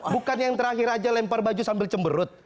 bukan yang terakhir aja lempar baju sambil cemberut